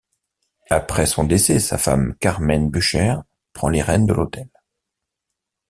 Après son décès, sa femme Carmen Bucher prend les rênes de l’hôtel.